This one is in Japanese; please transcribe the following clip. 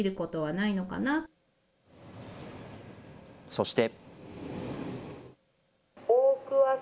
そして。